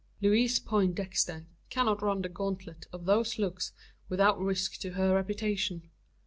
Louise Poindexter cannot run the gauntlet of those looks without risk to her reputation.